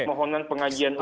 mohonan pengajian uji materi